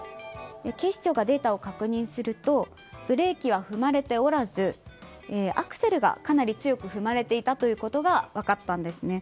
警視庁がデータを確認するとブレーキは踏まれておらずアクセルがかなり強く踏まれていたことが分かったんですね。